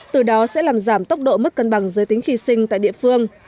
từ đó sẽ làm giảm tốc độ mất cân bằng giới tính khi sinh tại địa phương